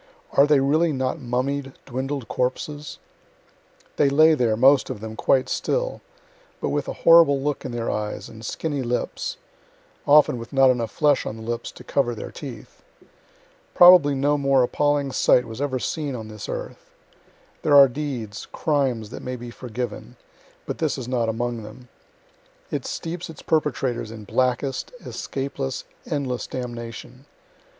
are they really not mummied, dwindled corpses? They lay there, most of them, quite still, but with a horrible look in their eyes and skinny lips (often with not enough flesh on the lips to cover their teeth.) Probably no more appalling sight was ever seen on this earth. (There are deeds, crimes, that may be forgiven; but this is not among them. It steeps its perpetrators in blackest, escapeless, endless damnation.